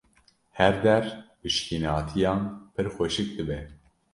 Her der bi şînatiyan pir xweşik dibe.